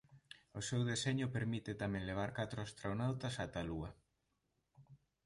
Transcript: O seu deseño permite tamén levar catro astronautas ata a Lúa.